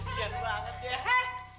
segar banget ya